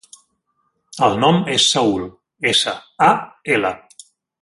El nom és Saül: essa, a, ela.